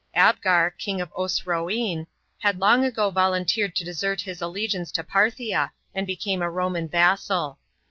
Ahgar, king of Osroene, had long ago volunteered to desert his allegiance to Parthia, and become a Roman vassal.